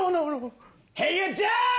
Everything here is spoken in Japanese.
ヘイユージャンプ！